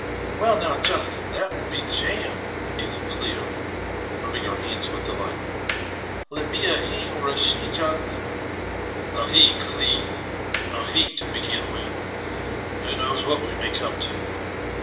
'< Well, now, Jona than, that will be jam!" added Clio, rubbing her hands with delight. " Will it be a he or a she, Jonathan ?"" A he, Cli, — a he, to begin with. Who knows what we may come to?